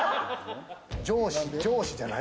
上司じゃない？